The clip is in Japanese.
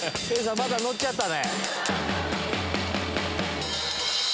またノッちゃったね。